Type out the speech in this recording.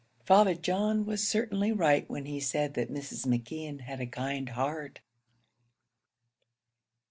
Father John was certainly right when he said that Mrs. McKeon had a kind heart.